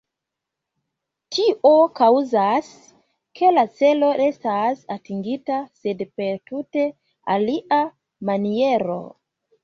Tio kaŭzas, ke la celo restas atingita, sed per tute alia maniero.